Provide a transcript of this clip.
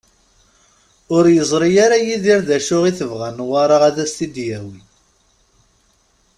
Ur yeẓri ara Yidir d acu i tebɣa Newwara ad as-t-id-yawi.